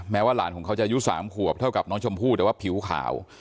ว่าหลานของเขาจะอายุ๓ขวบเท่ากับน้องชมพู่แต่ว่าผิวขาว